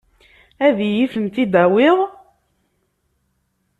Ad iyi-tent-id-tawiḍ?